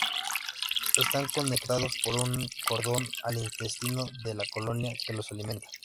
Están conectados por un cordón al intestino de la colonia, que los alimenta.